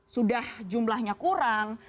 sudah jumlahnya kurang